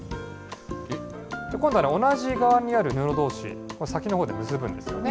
今度は同じ側にある布どうし、先のほうで結ぶんですよね。